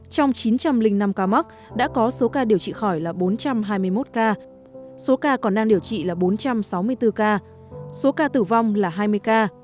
trong chín trăm linh năm ca mắc đã có số ca điều trị khỏi là bốn trăm hai mươi một ca số ca còn đang điều trị là bốn trăm sáu mươi bốn ca số ca tử vong là hai mươi ca